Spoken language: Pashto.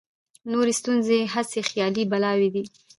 نورې ستونزې هسې خیالي بلاوې دي.